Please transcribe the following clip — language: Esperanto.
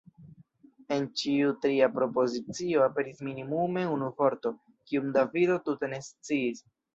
En ĉiu tria propozicio aperis minimume unu vorto, kiun Davido tute ne sciis.